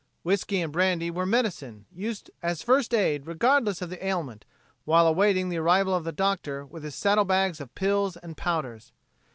Whisky and brandy were medicine, used as first aid, regardless of the ailment, while awaiting the arrival of the doctor with his saddlebags of pills and powders.